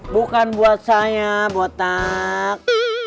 bukan buat saya botak